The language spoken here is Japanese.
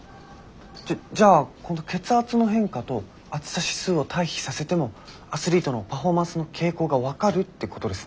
じゃあこの血圧の変化と暑さ指数を対比させてもアスリートのパフォーマンスの傾向が分かるってことですね？